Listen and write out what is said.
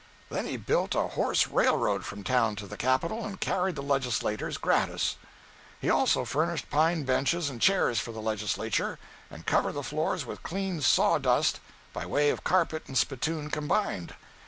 Then he built a horse railroad from town to the capitol, and carried the legislators gratis. He also furnished pine benches and chairs for the legislature, and covered the floors with clean saw dust by way of carpet and spittoon combined.